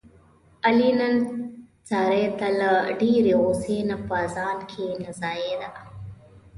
علي نن سارې ته له ډېرې غوسې نه په ځان کې نه ځایېدا.